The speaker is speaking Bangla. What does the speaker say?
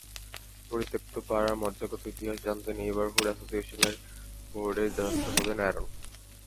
পরিত্যক্ত পাড়ার মজ্জাগত ইতিহাস জানতে নেইবারহুড অ্যাসোসিয়েশন বোর্ডের দ্বারস্থ হলেন অ্যারন।